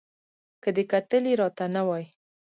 که دې کتلي را ته نه وای